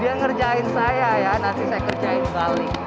dia ngerjain saya ya nanti saya kerjain balik